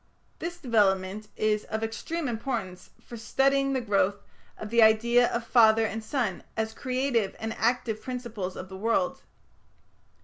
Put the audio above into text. This development is "of extreme importance for studying the growth of the idea of father and son, as creative and active principles of the world".